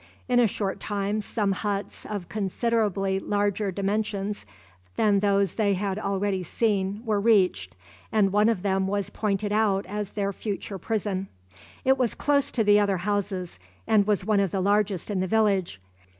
In a short time some huts of considerably larger dimensions than those they had already seen were reached, and one of them was pointed out as their future prison. It was close to the other houses, and was one of the largest in the village.